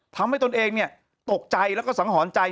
ทำให้ตนเองตกใจแล้วก็สังหวัญใจ